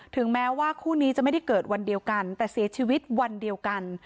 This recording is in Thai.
ถึงแม้ว่าคู่นี้จะไม่ได้เกิดวันเดียวกันแต่เสียชีวิตวันเดียวกัน